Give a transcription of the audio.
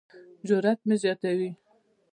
جرات مې زیاتوي.